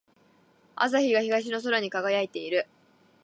朝日が東の空に輝いている。